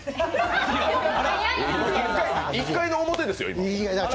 １回の表ですよ。